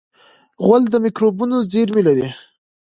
غول د مکروبونو زېرمې لري.